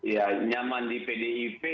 ya nyaman di pdip